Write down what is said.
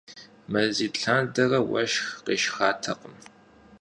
Мазитӏ лъандэрэ уэшх къешхатэкъым.